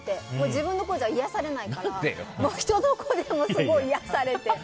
自分の子じゃ癒やされないから人の子で癒やされて。